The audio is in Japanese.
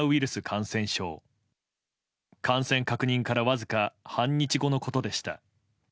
感染確認からわずか半日後のことでした。